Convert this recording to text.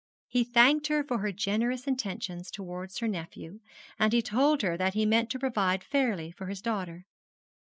He thanked her for her generous intentions towards her nephew; and he told her that he meant to provide fairly for his daughter.